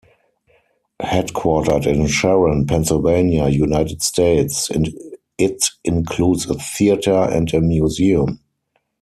Headquartered in Sharon, Pennsylvania, United States, it includes a theater and a museum.